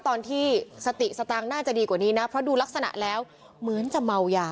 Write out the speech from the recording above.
ตอนที่สติสตางค์น่าจะดีกว่านี้นะเพราะดูลักษณะแล้วเหมือนจะเมายา